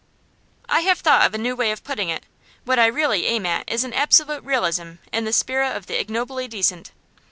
'I have thought of a new way of putting it. What I really aim at is an absolute realism in the sphere of the ignobly decent.